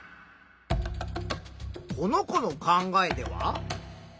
この子の考えでは？